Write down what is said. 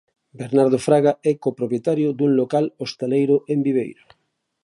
Bernardo Fraga é copropietario dun local hostaleiro en Viveiro.